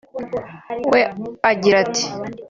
we agira ati